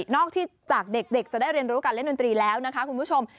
ที่จากเด็กจะได้เรียนรู้การเล่นดนตรีแล้วนะคะคุณผู้ชม